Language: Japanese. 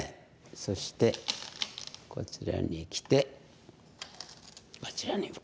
そしてこちらにきてこちらに受ける。